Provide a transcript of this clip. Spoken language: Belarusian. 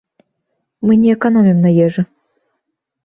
Мы не эканомім на ежы.